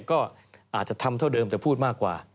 ก็อาจจะทำเท่าเดิมแต่พูดมากกว่า